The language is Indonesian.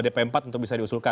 dp empat untuk bisa diusulkan